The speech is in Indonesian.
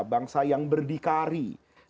bangsa yang berdikari